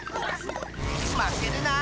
まけるな！